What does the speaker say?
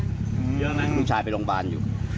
ลูกชายไปโลงบาลอยู่